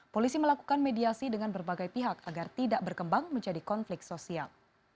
polisi melakukan mediasi dengan berbagai pihak agar tidak berkembang menjadi konflik sosial